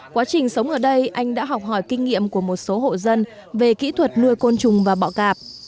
quá trình sống ở đây anh đã học hỏi kinh nghiệm của một số hộ dân về kỹ thuật nuôi côn trùng và bọ gạp